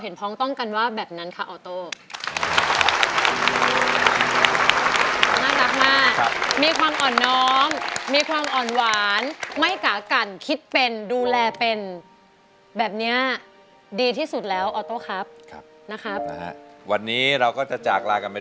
ฮันที่นี่ตอนที่เกี่ยวกันจากเรากลับที่จะเล่นด้านล้าง